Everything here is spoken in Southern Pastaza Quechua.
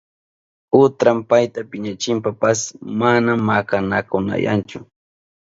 Kutran payta piñachishpanpas mana makanakunayanchu.